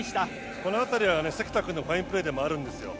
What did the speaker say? この辺りは関田君のファインプレーでもあるんですよ。